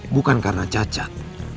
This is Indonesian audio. bukan karena cacat